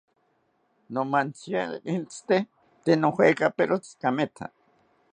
Nomantziarentzite tee nojekaperotzi kametha